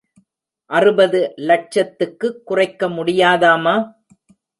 அறுபது லட்சத்துக்கு குறைக்க முடியாதாமா?